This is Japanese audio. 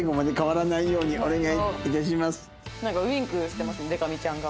なんかウィンクしてますでか美ちゃんが。